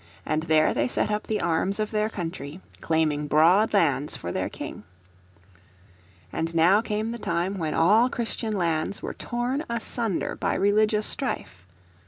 And there they set up the arms of their country, claiming broad lands for their King. And now came the time when all Christian lands were torn asunder by religious strife.